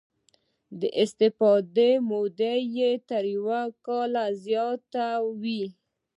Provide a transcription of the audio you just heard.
د استفادې موده یې تر یو کال زیاته وي.